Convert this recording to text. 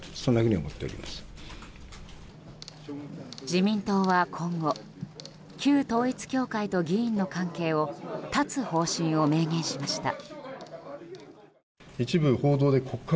自民党は今後旧統一教会と議員の関係を断つ方針を明言しました。